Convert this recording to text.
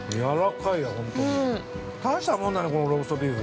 大したもんだね、このローストビーフ。